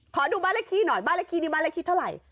ขอดูบ้านเลขที่หน่อยบ้านเลขที่นี้บ้านเลขที่เท่าไหร่